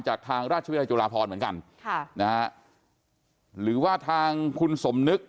จากทางราชวิทยาลัยจุฬาพรเหมือนกันค่ะนะฮะหรือว่าทางคุณสมนึก